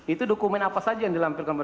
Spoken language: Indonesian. itu dokumen apa saja yang dilampirkan